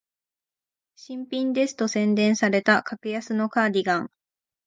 新品ですと宣伝された格安のカーディガン